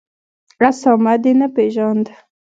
اسامه دي نه پېژاند